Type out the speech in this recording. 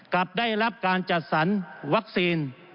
กลับได้รับการจัดสรรวัคซีน